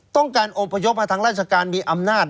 ต้องการอบพยพมาทางราชการมีอำนาจ